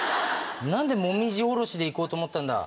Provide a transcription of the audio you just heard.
何でもみじおろしで行こうと思ったんだ。